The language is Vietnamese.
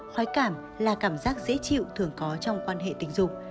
khoái cảm là cảm giác dễ chịu thường có trong quan hệ tình dục